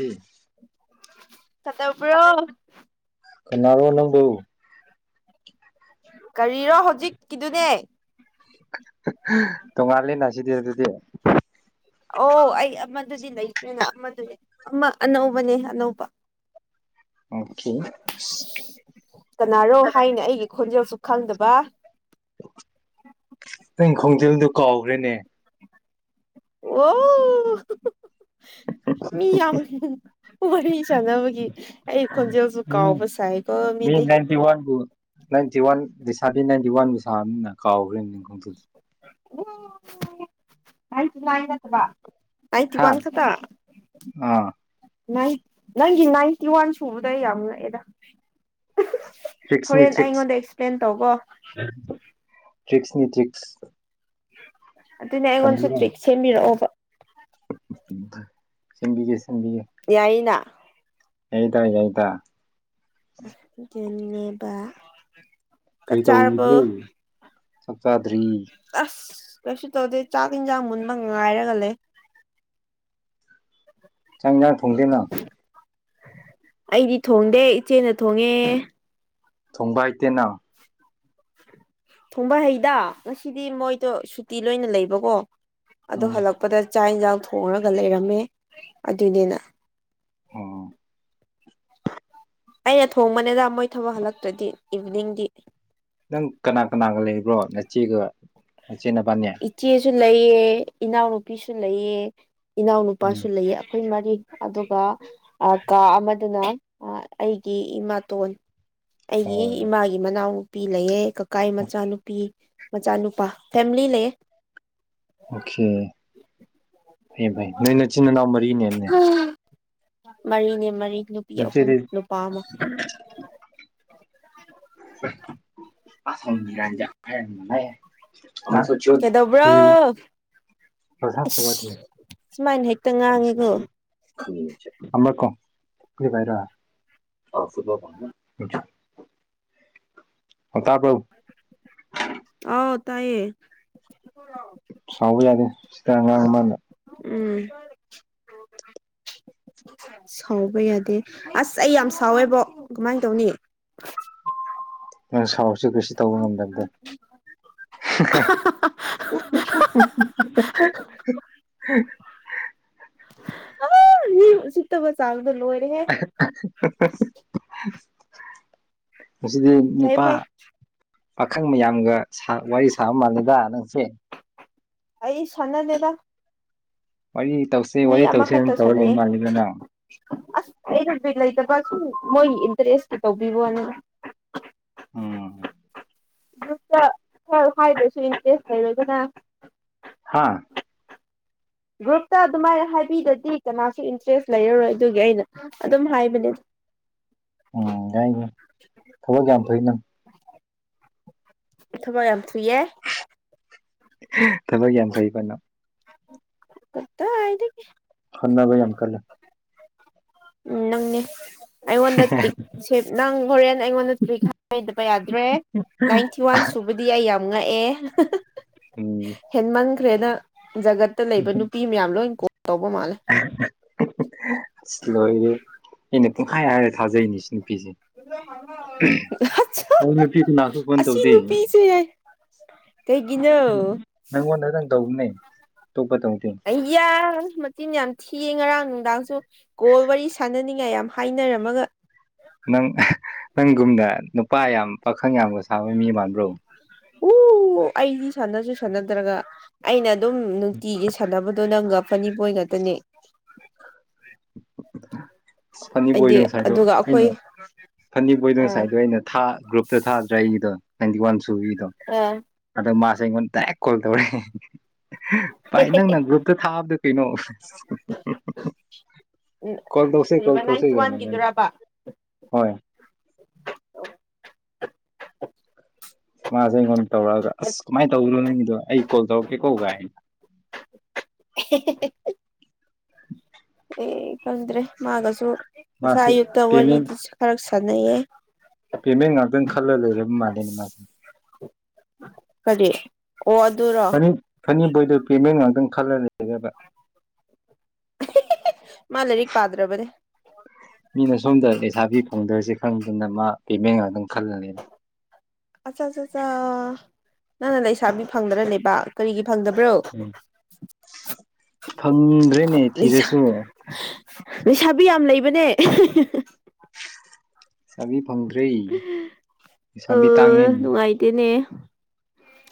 ꯎꯝ ꯐꯠꯇꯕ꯭ꯔꯣ ꯀꯅꯥꯔꯣ ꯑꯅꯕꯎ ꯀꯔꯤꯔꯣ ꯍꯧꯖꯤꯛ ꯀꯗꯨꯅꯦ ꯇꯣꯡꯉꯥꯜꯂꯦꯅ [inaudible] ꯑꯣ ꯑꯩ ꯑꯃꯗꯨꯗꯤ ꯂꯩꯇ꯭ꯦꯅ ꯑꯃꯗꯨꯅꯦ ꯑꯃ ꯑꯅꯧꯕꯅꯦ ꯑꯅꯧꯕ ꯍ ꯀꯅꯥꯅꯣ ꯍꯥꯏꯅ ꯑꯩꯒꯤ ꯈꯣꯟꯖꯦꯜꯁꯨ ꯈꯪꯗꯕ ꯅꯪ ꯈꯣꯡꯖꯦꯜꯗꯨꯣ ꯀꯥꯎꯈ꯭ꯔꯦꯅꯦ ꯑꯣ ꯃꯤ ꯌꯥꯝ ꯋꯥꯔꯤ ꯁꯥꯟꯅꯕꯒꯤ ꯑꯩ ꯈꯣꯟꯖꯦꯜꯁꯨ ꯎꯝ ꯀꯥꯎꯕ ꯁꯥꯏꯕ ꯃꯤ ꯃꯤꯗꯤ ꯅꯥꯏꯟꯇꯤ ꯋꯥꯟꯕꯨ ꯅꯥꯏꯟꯇꯤ ꯋꯥꯟ ꯂꯩꯁꯥꯗꯤ ꯅꯥꯏꯟꯇꯤ ꯋꯥꯟꯁꯥꯅ ꯀꯥꯎꯈ꯭ꯔꯦ ꯅꯤꯡꯣꯡ ꯎꯂꯗꯠꯇꯕ ꯇꯥꯏ ꯇꯤ ꯋꯥꯥꯟ ꯑꯥ ꯀꯗ ꯅꯪꯒꯤ ꯅꯥꯏꯟꯇꯤ ꯋꯥꯟ ꯁꯨꯕꯗ ꯌꯥꯝ ꯉꯛꯑꯦꯗ ꯇ꯭ꯔꯤꯛꯁꯅꯤ ꯍꯣꯔꯦꯟ ꯑꯩ ꯇ꯭ꯔꯤꯛꯁ ꯑꯩꯉꯣꯟꯗ ꯑꯦꯛꯁꯄ꯭ꯂꯦꯟ ꯇꯧꯕꯣ ꯇ꯭ꯔꯔꯤꯛꯁꯅꯤ ꯇ꯭ꯔꯔꯤꯛꯁ ꯑꯗꯨꯅꯦ ꯑꯩꯉꯣꯟꯁꯨ ꯇ꯭ꯔꯤꯦꯛ ꯁꯦꯝꯕꯤꯔꯛꯑꯣꯕ ꯆꯪꯕꯤ ꯀꯦꯁꯤ ꯌꯥꯏꯅ ꯑꯩꯗ ꯑꯩꯏꯗ ꯦꯕ ꯆꯞ ꯆꯔꯔꯕ ꯆꯥꯗꯔꯤ ꯀꯩꯁꯨ ꯇꯧꯗꯦ ꯆꯥꯛ ꯌꯦꯟꯁꯥꯡ ꯃꯨꯟꯕ ꯉ ꯉꯥꯏꯔꯒ ꯂꯩ ꯆꯥꯡ ꯌꯥꯥꯡ ꯊꯣꯡꯗꯦ ꯅꯪ ꯑꯩꯗꯤ ꯊꯣꯡꯗꯦ ꯏꯆꯦꯅ ꯊꯣꯡꯉꯦ ꯊꯣꯡꯕꯥꯏ ꯇꯦꯅꯥ ꯊꯣꯡꯕ ꯍꯩꯗ ꯉꯁꯤꯗꯤ ꯃꯣꯏꯗꯣ ꯁꯨꯇꯤ ꯂꯣꯏꯅ ꯂꯩꯕꯀꯣ ꯑꯗꯣ ꯎꯝ ꯍꯜꯂꯛꯄꯗ ꯆꯥꯛ ꯏꯟꯁꯥꯡ ꯊꯣꯡꯉꯒ ꯂꯩꯔꯝꯃꯦ ꯑꯗꯨꯅꯤꯅ ꯑꯣ ꯑꯩꯅ ꯊꯣꯡꯕꯅꯤꯗ ꯃꯣꯏ ꯊꯕꯛ ꯍꯜꯂꯛꯇ꯭ꯔꯗꯤ ꯏꯚꯤꯅꯤꯡꯗꯤ ꯆꯤꯒꯆꯅꯕꯅꯤ ꯂꯩꯑ ꯏꯅꯥꯎꯅꯨꯄꯤꯁꯨ ꯂꯩꯑ ꯎꯝ ꯏꯅꯥꯎꯅꯨꯄꯥꯁꯨ ꯂꯩꯑ ꯑꯩꯈꯣꯏ ꯃꯔꯤ ꯑꯗꯨꯒ ꯀꯥ ꯑꯃꯗꯨꯅ ꯑꯩꯒꯤ ꯏꯃꯥꯇꯣꯟ ꯑꯩꯒꯤ ꯑꯣ ꯏꯃꯥꯒꯤ ꯃꯅꯥꯎꯅꯨꯄꯤ ꯂꯩꯌꯦ ꯀꯀꯥꯒꯤ ꯃꯆꯥꯅꯨꯄꯤ ꯃꯆꯥ ꯅꯨꯄꯥ ꯐꯦꯃꯤꯂꯤ ꯂꯩ ꯑꯣꯀꯦ ꯐꯌꯦ ꯐꯩ ꯅꯣꯏ ꯅꯆꯤꯟꯜ ꯏꯅꯥꯎ ꯃꯔꯤꯅꯦꯅꯦ ꯃꯔꯤꯅꯦ ꯃꯔꯤ ꯅꯨꯄꯤ ꯑꯍꯨꯝ ꯅꯆꯦꯗꯤ ꯅꯨꯄꯥ ꯑꯃ ꯑꯁꯔꯖ ꯃꯅ [unintelligible] ꯃꯥ ꯁꯣꯁ ꯀꯩꯗꯧꯕ꯭ꯔꯣ ꯈ ꯏꯁ [unintelligible] [inaudible] ꯁꯨꯃꯥꯏꯅ ꯍꯦꯛꯇ ꯉꯥꯡꯉꯤꯀꯣ ꯈꯔ ꯀꯣ [inaudible] ꯔ [unintelligible] [inaudible] ꯇꯕꯔꯣ ꯑꯥꯎ ꯇꯥꯏꯌꯦ ꯁꯥꯎꯕ ꯌꯥꯗꯦ ꯁꯤꯗ ꯑꯉꯥꯡ ꯃꯥꯥꯟꯅ ꯎꯝ [unintelligible] [inaudible] ꯁꯥꯎꯕ ꯌꯥꯗꯦ ꯑꯁ ꯑꯩ ꯌꯥꯝ ꯁꯥꯎꯋꯦꯕꯣ ꯀꯃꯥꯏ ꯇꯧꯅꯤ ꯅꯪ ꯁꯥꯎꯁꯨ ꯀꯔꯤꯁꯤ ꯇꯧꯕ ꯉꯝꯗꯕꯗꯣ [unintelligible] [inaudible] ꯑ ꯁꯤꯠꯇꯕ ꯆ [unintelligible] [inaudible] ꯉꯁꯤꯗꯤ ꯐꯩ ꯅꯨꯄꯥ ꯐꯩ ꯄꯥꯈꯪ ꯃꯌꯥꯝꯒ ꯋꯥꯔꯤ ꯁꯥꯕ ꯃꯥꯜꯂꯦꯗ ꯅꯪꯁꯦ ꯑꯩ ꯁꯥꯟꯅꯗꯦꯕ ꯋꯥꯔꯤ ꯇꯧꯁꯦ ꯃꯤ ꯋꯥꯔꯤ ꯇꯧꯁꯦ ꯑꯃꯈꯛꯇ ꯇꯧꯔ ꯂꯩ ꯁꯥꯟꯅꯩꯑꯦ ꯃꯥꯜꯂꯦꯗ ꯅꯪ ꯑꯁ ꯑꯩ ꯔꯖꯤ ꯂꯩꯇꯕ ꯁꯨꯝ ꯃꯣꯏꯒꯤ ꯏꯟꯇꯔꯦꯁꯇꯨ ꯇꯧꯕꯤꯕꯣꯅ ꯎꯝ ꯭ꯒꯔꯨꯞ ꯇ ꯈꯔ ꯍꯥꯏꯗꯁꯨ ꯏꯟꯇꯔꯦꯁ ꯂꯩꯔꯒꯅ ꯍꯥꯥ [unintelligible] [inaudible] ꯒ꯭ꯔꯨꯞꯇ ꯑꯗꯨꯃꯥꯏꯅ ꯍꯥꯏꯕꯤꯗꯗꯤ ꯀꯅꯥꯁꯨ ꯏꯟꯇꯔꯦꯁ ꯂꯩꯔꯔꯣꯏ ꯑꯗꯨꯒꯤ ꯑꯩꯅ ꯑꯗꯨꯝ ꯍꯥꯏꯕꯅꯦ ꯎꯝ ꯥꯏꯅꯤ ꯊꯕꯛ ꯌꯥꯝ ꯐꯏ ꯅꯪ ꯊꯕꯛ ꯌꯥꯝ ꯊꯨꯏꯌꯦ ꯊꯕꯛ ꯌꯥꯝ ꯐꯩꯕꯅꯣ ꯀꯠꯇ ꯍꯥꯏꯥꯏꯗꯒꯤ ꯕ ꯌꯥꯝꯀꯜꯂꯦ ꯎꯝ ꯅꯪꯅꯦ ꯑꯩꯉꯣꯟꯗ ꯇꯔꯤꯛ ꯅꯪ ꯍꯣꯔꯦꯟ ꯑꯩꯉꯣꯟꯗ ꯇ꯭ꯔꯤꯛ ꯍꯥꯏꯗꯕ ꯌꯥꯗ꯭ꯔꯦ ꯅꯥꯏꯟꯇꯤ ꯋꯥꯟ ꯁꯨꯕꯗꯤ ꯑꯩ ꯌꯥꯝ ꯉꯛꯑꯦ ꯎꯝ ꯍꯦꯟ ꯃꯟꯈ꯭ꯔꯦꯅ ꯖꯒꯠꯇ ꯂꯩꯕ ꯅꯨꯄꯤ ꯃꯌꯥꯝ ꯂꯣꯏ ꯀꯣ ꯇꯧꯕ ꯃꯥꯜꯂꯦ ꯑꯁ ꯂꯣꯏꯔꯦ ꯑꯩꯅ ꯄꯨꯡꯈꯥꯏ ꯍꯥꯏꯔ ꯊꯥꯖꯩꯅꯤꯁꯦ ꯅꯨꯄꯤꯁꯦ ꯑ ꯅꯨꯄꯤꯅꯥꯁꯨ ꯐꯣꯟ ꯑꯁꯤ ꯇꯧꯗꯦ ꯅꯨꯄꯤꯁꯦ ꯀꯩꯒꯤꯅꯣ ꯎꯝ ꯅꯪꯉꯣꯟꯗꯇꯪ ꯇꯧꯕꯅꯦ ꯑꯇꯣꯞꯄ ꯇꯧꯗꯦ ꯑꯌꯥ ꯃ ꯆꯤꯟ ꯌꯥꯝ ꯊꯤꯌꯦ ꯉꯔꯥꯡ ꯅꯨꯡꯗꯥꯡꯁꯨ ꯒꯣꯜ ꯋꯥꯔꯤ ꯁꯥꯟꯅꯅꯤꯡꯉꯥꯏ ꯌꯥꯝ ꯍꯥꯏꯅꯔꯝꯃꯒ ꯅꯪ ꯅꯪꯒꯨꯝꯗ ꯅꯨꯄꯥ ꯌꯥꯝ ꯄꯥꯈꯪ ꯌꯥꯝꯕ ꯁꯥꯕ ꯃꯤ ꯃꯥꯟꯕ꯭ꯔꯣ ꯑꯣ ꯑꯩꯗꯤ ꯁꯥꯟꯅꯁꯨ ꯁꯥꯟꯅꯗ꯭ꯔꯒ ꯑꯩꯅ ꯑꯗꯨꯝ ꯅꯨꯡꯇꯤꯒꯤ ꯁꯥꯟꯅꯕꯗꯣ ꯅꯪꯒ ꯐꯅꯤ ꯄꯣꯏ ꯉꯇꯅꯤ ꯏꯐꯠꯅꯤ ꯣꯏꯗꯁꯥꯏꯗꯣ ꯑꯗꯨꯒ ꯑꯩꯅ ꯑꯩꯈꯣꯏ ꯐꯅꯤꯕꯣꯏꯗꯣ ꯑ ꯉꯁꯥꯏꯗꯣ ꯑꯩꯅ ꯒ꯭ꯔꯨꯞꯇ ꯊꯥꯗ꯭ꯔꯥ ꯑꯩꯒꯤꯗꯣ ꯅꯥꯏꯟꯇꯤ ꯋꯥꯟ ꯁꯨꯕꯤꯗꯣ ꯑ ꯑꯗꯣ ꯃꯥꯁꯦ ꯑꯩꯉꯣꯟꯗ ꯗꯥꯏꯔꯦꯛ ꯀꯣꯜ ꯇꯧꯔꯦ ꯚꯥꯏ ꯅꯪꯅ ꯒ꯭ꯔꯨꯞꯇ ꯊꯥꯕꯗꯣ ꯀꯩꯅꯣ ꯀꯜꯗꯁꯦ ꯀꯜ ꯀꯔꯤꯕ ꯅꯥꯏꯟꯇꯤ ꯇꯧꯁꯤꯒꯅ ꯋꯥꯟꯒꯤꯗꯨꯔꯕ ꯍꯣꯏ ꯃꯥꯁꯦꯦꯡꯣꯟ ꯇꯧꯒ꯭ꯔ ꯑꯁ ꯀꯃꯥꯏ ꯇꯧ꯭ꯔꯣ ꯅꯪ ꯑꯩ ꯀꯣꯜ ꯇꯧ ꯀꯦ ꯀꯧꯒ ꯑꯩꯅ [unintelligible] [inaudible] [unintelligible] [inaudible] ꯑꯩ ꯈꯪꯗ꯭ꯔꯦ ꯃꯥꯒꯁꯨ ꯉꯁꯥ ꯃꯥꯁꯦ ꯑꯌꯨꯛꯇ ꯄꯦꯃꯦꯟ ꯋꯥꯔꯤꯗꯨꯁꯨ ꯈꯔ ꯁꯥꯟꯅꯩꯌꯦ ꯄꯦꯃꯦꯟ ꯉꯥꯛꯇ ꯈꯜꯂ ꯂꯩꯔꯦ ꯃꯥꯅꯦꯅꯃꯁꯦ ꯀꯔꯤ ꯑꯣ ꯑꯗꯨꯔꯣ ꯅꯤ ꯐꯅꯤꯕꯣꯏꯗ ꯄꯦꯃꯦꯟ ꯉꯥꯛꯇꯪ ꯈꯜꯂ ꯂꯩꯕ ꯃꯥ ꯂꯥꯏꯔꯤꯛ ꯄꯥꯗ꯭ꯔꯕꯅꯦ ꯃꯤꯅ ꯁꯣꯝꯗ ꯂꯩꯁꯥꯕꯤꯤ ꯐꯪꯗ꯭ꯔꯁꯦ ꯈꯪꯗꯅ ꯃꯥ ꯄꯦꯃꯦꯟꯒ ꯑꯗꯨꯝ ꯈꯜꯂꯅꯤꯅꯦ ꯑꯆꯥ ꯑꯠꯠ ꯅꯪꯅ ꯂꯩꯁꯥꯕꯤ ꯐꯪꯗꯅ ꯂꯩꯕ ꯀꯔꯤꯒꯤ ꯐꯪꯗꯕ꯭ꯔꯣ ꯐꯪꯗ꯭ꯔꯦꯅꯦ ꯂꯤꯁ ꯊꯤꯔꯁꯨ ꯂꯩꯁꯥꯕꯤ ꯌꯥꯝ ꯂꯩꯕꯅꯦ ꯁꯥꯕꯤ ꯑ ꯐꯪꯗ꯭ꯔꯔꯤꯁꯥꯕꯤ ꯇꯥꯡꯉꯤ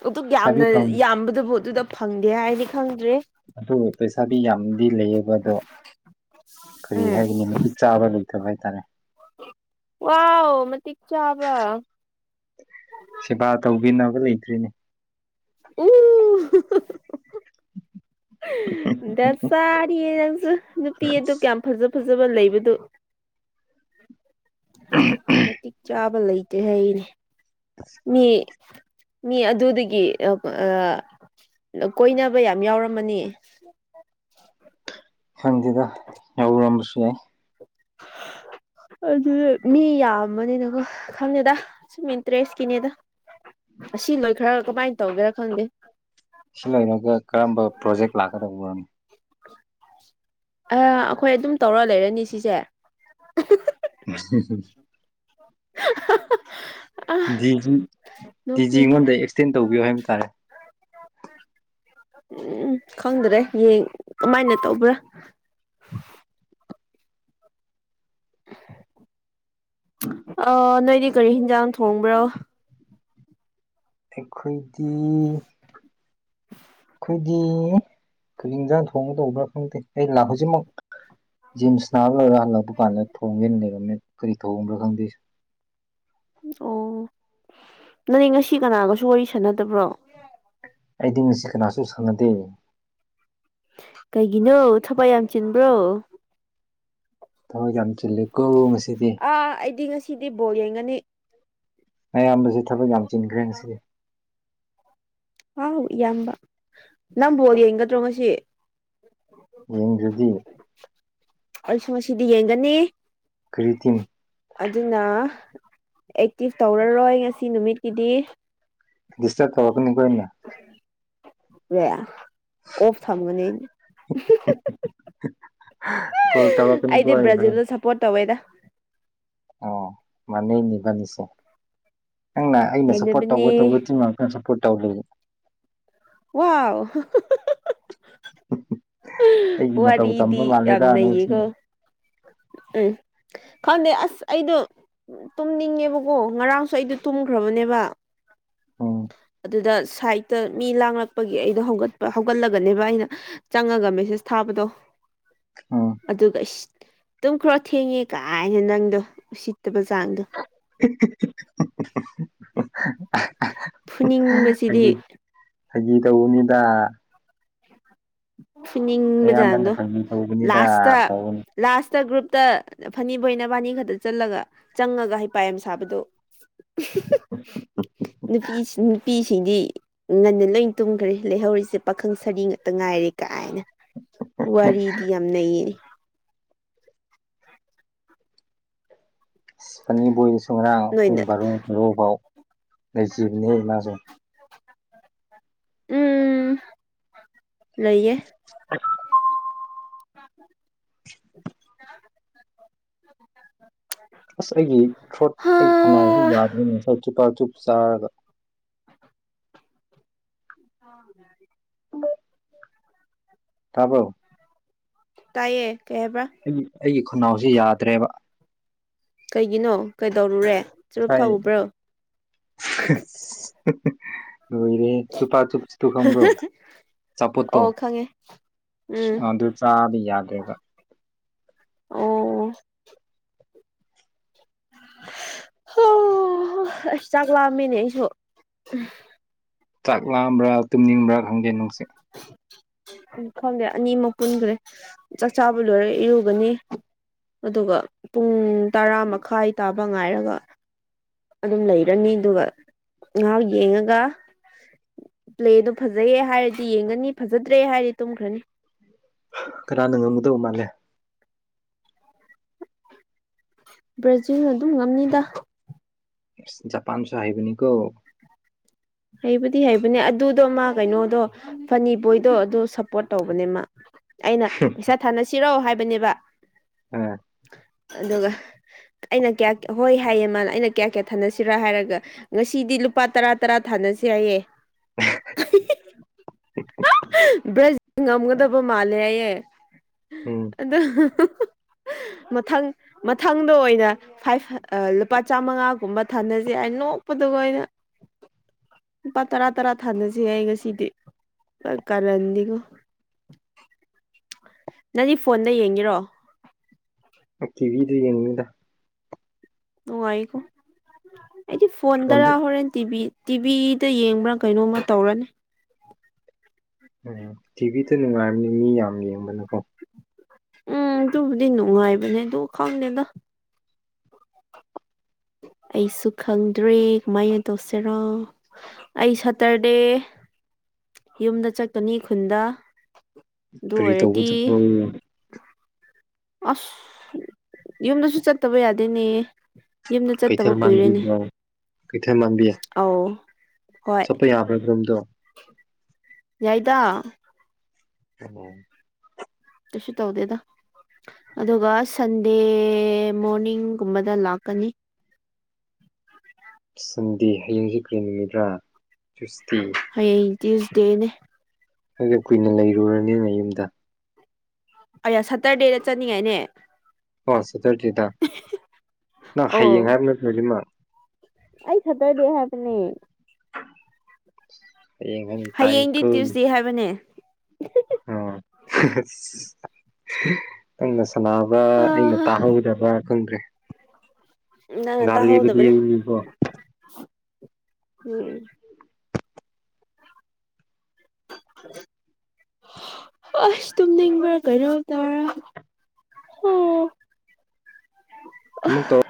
ꯑꯗꯨ ꯌꯥꯝꯅ ꯐꯪ ꯌꯥꯝꯕꯗꯕꯨ ꯑꯗꯨꯗ ꯐꯪꯗꯦ ꯍꯥꯏꯅꯤ ꯈꯪꯗ꯭ꯔꯦ ꯑꯗꯨ ꯄꯩꯁꯥꯗꯤ ꯌꯥꯝꯗꯤ ꯂꯩꯌꯦꯕ ꯑꯗꯣ ꯀꯔꯤ ꯍꯥꯏꯒꯅꯤ ꯃꯇꯄꯤꯛ ꯆꯥꯕ ꯂꯩꯇꯕ ꯍꯥꯏꯇꯥꯔꯦ ꯋꯥ ꯃꯛ ꯆꯥꯕ ꯁꯦꯕꯥ ꯇꯧꯕꯤꯅꯕ ꯂꯩꯇ꯭ꯔꯤꯅꯤ ꯑꯣ ꯗ ꯆꯥꯔꯤꯌꯦ ꯅꯪꯁꯨ ꯅꯨꯄꯤ ꯑꯗꯨ ꯀꯌꯥꯝ ꯐꯖꯕ ꯐꯖꯕ ꯂꯩꯕꯗꯨ ꯃꯇꯤꯛ ꯆꯥꯕ ꯂꯩꯇꯦ ꯍꯅꯦ ꯃꯤ ꯃꯤ ꯑꯗꯨꯗꯒꯤ ꯑ ꯀꯣꯏꯅꯕ ꯌꯥꯝ ꯌꯥꯎꯔꯝꯃꯅꯤ ꯐꯪꯗꯗ ꯌꯥꯎꯎꯔꯝꯕꯁꯨ ꯌꯥꯏ [unintelligible] ꯑꯗꯨ ꯃꯤ ꯌꯥꯝꯕꯅꯤꯅꯀꯣ ꯈꯪꯗꯦꯗ ꯁꯨꯝ ꯏꯟꯇꯔꯦꯁꯀꯤꯅꯦꯗ ꯑꯁꯤ ꯅꯣꯏ ꯈꯔ ꯀꯃꯥꯏꯅ ꯇꯧꯒꯦꯔꯥ ꯈꯪꯗꯦ ꯁꯤ ꯂꯩꯔꯒ ꯀꯔꯝꯕ ꯄ꯭ꯔꯣꯖꯦꯛ ꯂꯥꯛꯀꯗ ꯑꯣꯏꯔꯅꯤꯣ ꯑꯩꯈꯣꯏ ꯑꯗꯨꯝ ꯇꯧꯔ ꯂꯩꯔꯅꯤ ꯁꯤꯁꯦ [unintelligible] [unintelligible] ꯑꯥ ꯗꯤꯖꯤ ꯅꯣꯛꯅꯤꯡ ꯑꯩꯉꯣꯟꯗ ꯑꯦꯛꯁꯇꯦꯟ ꯇꯧꯕꯤꯌꯣ ꯍꯥꯏꯕ ꯇꯥꯔꯦ ꯎꯝ ꯈꯪꯗ꯭ꯔꯦ ꯌꯦ ꯀꯃꯥꯏꯅ ꯇꯧꯕ꯭ꯔꯥ [unintelligible] ꯑ ꯅꯣꯏꯗꯤ ꯀꯔꯤ ꯍꯤꯟꯖꯥꯡ ꯊꯣꯡꯕ꯭ꯔꯣ ꯑꯩꯈꯣꯏꯗꯤ [unintelligible] ꯑꯩꯈꯣꯏꯗꯤ ꯀꯤꯡꯖꯥꯡ ꯊꯣꯡꯕ ꯇꯧꯕ꯭ꯔꯥ ꯈꯪꯗꯦ ꯑꯩ ꯂꯥꯛ ꯍꯧꯖꯤꯛꯃꯛ ꯖꯤꯝꯁ ꯅꯥꯔ ꯂꯣꯏꯔꯒ ꯍꯜꯂꯛꯄ ꯀꯥꯟꯗ ꯊꯣꯡꯒꯦꯅ ꯂꯩꯔꯝꯃꯦ ꯀꯔꯤ ꯊꯣꯡꯕ꯭ꯔꯥ ꯈꯪꯗꯦꯁ ꯑꯣ ꯅꯪꯅꯦ ꯉꯁꯤ ꯀꯅꯥꯒꯁꯨ ꯋꯥꯔꯤ ꯁꯥꯟꯅꯗꯕ꯭ꯔꯣ ꯑꯩꯗꯤ ꯃꯁꯤꯁꯤ ꯀꯅꯥꯁꯨ ꯁꯪꯉꯗꯦ ꯀꯩꯒꯤꯅꯣ ꯊꯕꯏ ꯌꯥꯝ ꯆꯤꯟꯕ꯭ꯔꯣ ꯊ ꯍꯣꯏ ꯇ ꯑꯥ ꯑꯩꯗꯤ ꯉꯁꯤꯗꯤ ꯕꯣꯔ ꯌꯦꯡꯒꯅꯤ ꯑꯌꯥꯝꯕꯁꯤ ꯊꯕꯛ ꯌꯥꯝ ꯆꯤꯟꯈ꯭ꯔꯦ ꯉꯁꯤꯗꯤ ꯑꯥꯎ ꯏꯌꯥꯝꯕ ꯅꯪꯝꯕꯣꯜ ꯌꯦꯡꯒꯗ꯭ꯔꯣ ꯉꯁꯤ ꯌꯦꯡꯗꯗꯤ ꯑꯩꯁꯨ ꯉꯁꯤꯗꯤ ꯌꯦꯡꯒꯅꯤ ꯀꯔꯤ ꯇꯤꯝ ꯑꯗꯨꯅ ꯑꯦꯛꯇꯤꯚ ꯇꯧꯔꯔꯣꯏ ꯉꯁꯤ ꯅꯨꯃꯤꯠꯀꯤꯗꯤ ꯗꯤꯁꯇꯔ ꯇꯧꯈ ꯀꯣꯏꯅ ꯑꯦ ꯑꯣꯐ ꯊꯝꯅꯦ ꯀꯣꯜ ꯇꯧꯔꯛꯀꯅꯤꯀꯣ ꯑꯩꯗꯤ ꯑꯩ ꯕ꯭ꯔꯥꯖꯤꯜꯗ ꯁꯞꯄꯣꯔꯠ ꯇꯧꯋꯦꯗ ꯑ ꯃꯥꯟꯦꯅꯤꯕꯥꯅꯤꯁꯦ ꯅꯪꯅ ꯑꯩꯅ ꯁꯞꯄꯣꯔꯠ ꯇꯧꯕꯒ ꯇꯧꯕ ꯉꯝꯅꯕꯅꯤ ꯇꯤꯟꯕꯛꯇꯪ ꯁꯞꯄꯣꯔꯠ ꯇꯧꯗ ꯋꯥ ꯑꯩꯒꯤ ꯃꯇꯧ ꯋꯥꯗꯤ ꯏꯗꯤ ꯇꯝꯕ ꯌꯥꯝ ꯃꯥꯜꯂꯦꯗ ꯅꯪꯁꯤ ꯅꯌꯦꯒꯣ ꯎꯝ ꯈꯪꯗꯦ ꯑꯁ ꯑꯩꯗꯣ ꯇꯨꯝꯅꯤꯡꯉꯦꯕꯀꯣ ꯉꯔꯥꯡꯁꯨ ꯑꯩꯗꯣ ꯇꯨꯝꯈ꯭ꯔꯕꯅꯦꯕ ꯑꯣ ꯑꯗꯨꯗ ꯁꯥꯏꯠꯇ ꯃꯤ ꯂꯥꯡꯂꯛꯄꯒꯤ ꯑꯩꯗꯣ ꯍꯧꯒꯠꯄ ꯍꯧꯒꯠꯂꯒꯅꯦꯕ ꯑꯩꯅ ꯆꯪꯉꯒ ꯃꯦꯁꯦꯁ ꯊꯥꯕꯗ ꯇꯣ ꯎꯝ ꯑꯗꯨꯒ ꯏꯁ ꯑꯗꯨꯨꯝ ꯈꯔꯣ ꯊꯦꯡꯉꯦ ꯀꯥꯏꯅ ꯅꯪꯗꯣ ꯄꯆꯒ ꯐꯨꯅꯤꯡꯕꯁꯤꯗꯤ ꯐꯒꯤ ꯇꯧꯕꯅꯤꯗ ꯑꯌꯥꯝꯕꯅ ꯐꯨꯅꯤꯡꯕꯖꯥꯡꯗꯣ ꯐꯥꯒꯤ ꯇꯧꯕꯅꯤꯗ ꯂꯥꯁꯇ ꯇꯧꯕꯅꯤ ꯂꯥꯁꯇ ꯒ꯭ꯔꯨꯞ ꯇ ꯐꯅꯤꯕꯣꯏꯅꯕꯥꯅꯤ ꯈꯛꯇ ꯆꯜꯂꯒ ꯆꯪꯉꯒ ꯍꯥꯏꯩ ꯄꯥꯏ ꯑꯃ ꯁꯥꯕꯗꯣ ꯅꯨꯄꯤꯁꯤꯡ ꯅꯨꯄꯤꯁꯤꯡꯗꯤ ꯉꯟꯅ ꯂꯣꯏ ꯇꯨꯝꯈ꯭ꯔꯦ ꯂꯩꯍꯧꯔꯤꯁꯦ ꯄꯥꯈꯪ ꯁꯔꯤ ꯉꯥꯛꯇ ꯉꯥꯏꯔꯦ ꯀꯥꯏꯅ ꯋꯥꯔꯤꯗꯤ ꯌꯥꯝ ꯅꯩꯌꯦ ꯁꯤꯐꯥꯟꯅꯤ ꯣꯏꯅ ꯁꯪ꯭ꯔ ꯄꯨꯡ ꯅꯣꯏꯅ ꯔꯨꯡ ꯔꯕꯥꯎ ꯅꯖꯤꯞꯅꯤꯃꯖ ꯎꯝ ꯂꯣꯏꯌꯦ [inaudible] ꯑꯁ ꯑꯩꯒꯤ ꯊ꯭ꯔꯣꯠ ꯍꯥ ꯑꯩꯒꯤ ꯈꯣꯡꯅꯥꯡꯁꯤ ꯅ ꯉꯁꯥꯏ ꯆꯤꯄ ꯆꯨꯞ ꯆꯥꯔꯒ ꯍꯥꯎ ꯇꯥꯕꯣ ꯇꯌꯦ ꯑꯩ ꯑꯩꯒꯤ ꯈꯨꯅꯥꯎꯁꯤ ꯌꯥꯗ꯭ꯔꯦꯕ ꯀꯩꯒꯤꯅꯣ ꯀꯩꯗꯧꯔꯨꯔꯦ ꯆꯨꯔꯨꯞ ꯉꯁꯥꯏ ꯊꯥꯎꯕ꯭ꯔꯣ ꯂꯣꯏꯔꯦ ꯆꯨꯞꯄꯥ ꯆꯨꯞ ꯆꯇꯨ ꯈꯪꯕ꯭ꯔꯣ ꯑꯆꯥꯄꯣꯠꯇꯣ ꯑꯣ ꯈꯪꯉꯦ ꯎꯝ ꯑꯗꯨ ꯆꯥꯗꯤ ꯌꯥꯗꯦꯕ ꯑꯣ ꯍ ꯑꯣ ꯑꯩꯁꯨ ꯆꯥꯛ ꯂꯥꯛꯑꯝꯃꯤꯅꯦ ꯑꯩꯁꯨ ꯆꯥꯛ ꯂꯥꯑꯝꯕ꯭ꯔꯥ ꯇꯨꯝꯅꯤꯡꯕ꯭ꯔꯥ ꯈꯪꯗꯦ ꯅꯨꯡꯁꯤꯠ ꯎꯝ ꯈꯪꯗꯦ ꯑꯅꯤꯃꯛ ꯀꯨꯟꯈꯔꯦ ꯆꯥꯛꯆꯥꯥꯕ ꯂꯣꯏꯔ ꯏꯔꯨꯒꯅꯤ ꯑꯗꯨꯒ ꯄꯨꯡ ꯇꯔꯥ ꯃꯈꯥꯏ ꯇꯥꯕ ꯉꯥꯏꯔꯒ ꯑꯗꯨꯝ ꯂꯩꯔꯅꯤ ꯑꯗꯨꯒ ꯉꯍꯥꯛ ꯌꯦꯡꯉꯒ ꯄ꯭ꯂꯦꯗꯣ ꯐꯖꯩꯌꯦꯦ ꯍꯥꯏꯔꯗꯤ ꯌꯦꯡꯒꯅꯤ ꯐꯖꯗ꯭ꯔꯦ ꯍꯥꯏꯔꯗꯤ ꯇꯨꯝꯈ꯭ꯔꯅꯤ ꯈꯔꯅꯥ ꯅ ꯑꯃꯕꯨꯨꯗꯧ ꯃꯥꯂꯦ ꯕ꯭ꯔꯥꯖꯤꯜ ꯑꯗꯨꯝ ꯉꯝꯅꯤꯗ ꯖꯄꯥꯟꯁꯨꯣꯍꯏꯕꯅꯤ ꯀ ꯍꯩꯕꯨꯗꯤ ꯍꯩꯕꯅꯦ ꯑꯗꯨꯗꯣ ꯃꯥ ꯀꯩꯅꯣꯗꯣ ꯐꯅꯤꯕꯣꯏꯗꯣ ꯑꯗꯨꯗꯣ ꯁꯞꯄꯣꯔꯠ ꯇꯧꯕꯅꯦ ꯃꯥ ꯑꯩꯅ ꯄꯩꯁꯥ ꯊꯥꯅꯁꯤꯔꯣ ꯍꯥꯏꯕꯅꯦꯕ ꯑꯝ ꯑꯗꯨꯒ ꯑꯩꯅ ꯀꯌꯥ ꯍꯣꯏ ꯍꯥꯏꯌꯦ ꯃꯥ ꯑꯩꯅ ꯀꯌꯥ ꯀꯌꯥ ꯊꯅꯁꯤꯔꯥ ꯍꯥꯏꯔꯒ ꯉꯁꯤꯗꯤ ꯂꯨꯄꯥ ꯇꯔꯥ ꯇꯔꯥ ꯊꯥꯅꯁꯦ ꯍꯥꯏꯏꯌꯦ ꯉꯝꯒꯗꯕꯃꯥ ꯂꯌꯥ ꯎꯝ ꯑꯗ ꯃꯊꯪ ꯃꯊꯪꯗ ꯑꯣꯏꯅ ꯐꯥꯏꯚ ꯂꯨꯄꯥ ꯆꯥꯝꯃꯉꯥꯒꯨꯝꯕ ꯊꯅꯁꯦ ꯍꯥꯏꯣꯛ ꯂꯄꯗꯨꯒ ꯑꯩꯅ ꯂꯨꯄꯥ ꯇꯔꯥ ꯇꯔꯥ ꯊꯥꯅꯁꯤ ꯑꯩ ꯉꯁꯤꯗꯤ ꯀꯗꯤꯒꯣ ꯅꯪꯗꯤ ꯐꯣꯟꯗ ꯌꯦꯡꯒꯔꯣ ꯀꯤꯕꯤꯗ ꯌꯦꯡꯅꯤꯡꯗꯦ ꯅꯨꯡꯉꯥꯏꯀꯣ ꯑꯩꯗꯤ ꯐꯣꯟꯗꯔꯥ ꯐꯣꯟꯗ ꯍꯣꯔꯦꯟ ꯇꯤꯚꯤ ꯇꯤꯚꯤꯗ ꯌꯦꯡꯕ꯭ꯔꯥ ꯀꯩꯅꯣꯝꯃ ꯇꯧꯔꯅꯤ꯫ ꯎꯝ ꯇꯤꯚꯤꯗ ꯅꯨꯡꯉꯥꯏꯔꯅꯤ ꯃꯤ ꯌꯥꯝ ꯌꯦꯡꯕꯅꯀꯣ ꯎꯝ ꯑꯗꯨꯕꯨꯗꯤ ꯅꯨꯡꯉꯥꯏꯕꯅꯦ ꯑꯗꯨ ꯈꯪꯗꯦꯗ [unintelligible] ꯑꯩꯁꯨ ꯈꯪꯗ꯭ꯔꯦ ꯀꯃꯥꯏꯅ ꯇꯧꯁꯤꯔꯣ ꯑꯩ ꯁꯇꯔꯗꯦ ꯌꯨꯝꯗ ꯆꯀꯅꯤ ꯈꯨꯟꯗ ꯑꯗꯨ ꯀꯔꯤ ꯇꯧꯕ ꯑꯣꯏꯔꯗꯤ ꯆꯠꯄꯔꯣ? ꯑꯁ ꯌꯨꯝꯗꯁꯨ ꯆꯠꯇꯕ ꯌꯥꯗꯦꯅꯦ ꯌꯨꯝꯗ ꯆꯠꯇꯕ ꯀꯨꯏꯔꯦꯅꯦ ꯫ ꯀꯩꯊꯦꯃꯥꯡꯕꯤ ꯍꯣꯏ ꯆꯠꯄ ꯌꯥꯕ꯭ꯔ ꯑꯗꯨꯔꯣꯝꯗꯣ ꯌꯥꯏꯗ [unintelligible] ꯇꯁꯨ ꯇꯧꯗꯦꯗ ꯑꯗꯨꯒ ꯁꯟꯗꯦ ꯃꯣꯔꯅꯤꯡꯒꯨꯝꯕꯗ ꯂꯥꯛꯀꯅꯤ꯫ [inaudible] ꯁꯟꯗꯦ ꯍꯌꯦꯡꯖꯦ ꯀꯔꯤ ꯅꯨꯃꯤꯠꯔꯥ [unintelligible] ꯍꯌꯦꯡ ꯇ꯭ꯌꯨꯁ ꯗꯦꯅꯦ [unintelligible] ꯀꯨꯏꯅ ꯂꯩꯔꯨꯔꯅꯤ ꯅꯌꯨꯝꯗ ꯑꯌꯥ ꯁꯇꯔꯗꯦꯗ ꯆꯠꯅꯤꯉꯥꯏꯅꯦ ꯑ ꯁꯇꯔꯗꯤꯗ ꯅꯪ ꯑꯣ ꯍꯌꯦꯡ ꯍꯥꯏꯕ [unintelligible] ꯑꯩ ꯁꯇꯔꯗꯦ ꯍꯥꯏꯕꯅꯦ ꯍꯌꯦꯡ ꯍꯥꯏꯅ ꯍꯌꯦꯡꯗꯤ ꯇ꯭ꯌꯨꯁꯗꯦ ꯍꯥꯏꯕꯅꯦ ꯑ [unintelligible] ꯁꯅꯥꯕ ꯑ ꯑꯩꯅ ꯇꯥꯍꯧꯗꯕ ꯈꯪꯗ꯭ꯔꯦ ꯅꯪ ꯒꯥꯂꯤꯕꯨꯗꯤ ꯇꯥꯍꯧꯗꯕꯅꯦ ꯑꯩꯅꯤꯀꯣ ꯎꯝ ꯍꯥ ꯑꯁ ꯇꯨꯝꯅꯤꯡꯕꯔ ꯀꯩꯅꯣꯝ ꯇꯧꯔꯦ꯫ ꯍꯥ [unintelligible]